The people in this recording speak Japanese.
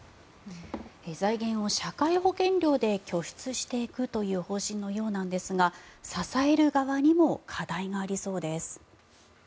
財源を社会保険料で拠出していくという方針のようなんですが支える側にも課題がありそうなんです。